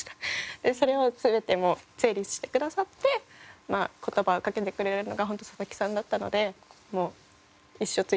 でそれを全てもう整理してくださって言葉をかけてくれるのが本当佐々木さんだったのでもう一生ついていきますと。